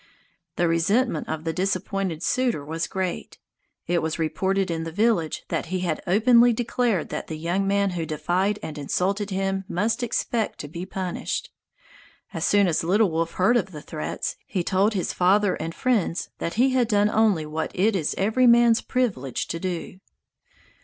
The resentment of the disappointed suitor was great. It was reported in the village that he had openly declared that the young man who defied and insulted him must expect to be punished. As soon as Little Wolf heard of the threats, he told his father and friends that he had done only what it is every man's privilege to do.